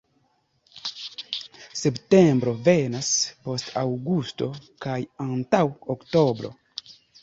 Septembro venas post aŭgusto kaj antaŭ oktobro.